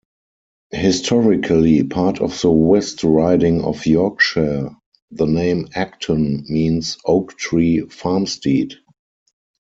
Historically part of the West Riding of Yorkshire, the name "Ackton" means "oak-tree farmstead".